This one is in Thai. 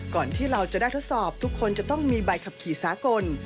ก่อนที่เราจะได้ทดสอบทุกคนจะต้องมีใบขับขี่สากล